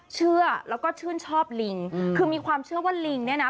เชื่อแล้วก็ชื่นชอบลิงคือมีความเชื่อว่าลิงเนี่ยนะ